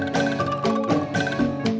saya takut berbunuh